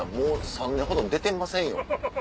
３年ほど出てませんよ。